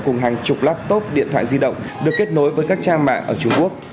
cùng hàng chục laptop điện thoại di động được kết nối với các trang mạng ở trung quốc